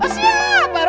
siap pak rw